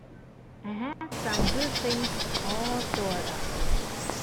I had some good things all stored up.